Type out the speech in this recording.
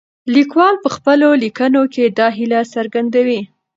لیکوال په خپلو لیکنو کې دا هیله څرګندوي.